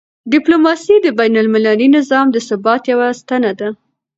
ډیپلوماسي د بینالمللي نظام د ثبات یوه ستنه ده.